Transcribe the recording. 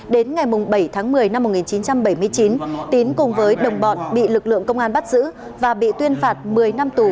đến ngày bảy tháng một mươi năm một nghìn chín trăm bảy mươi chín tín cùng với đồng bọn bị lực lượng công an bắt giữ và bị tuyên phạt một mươi năm tù